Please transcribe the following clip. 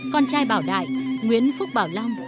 con trai bảo đại nguyễn phúc bảo long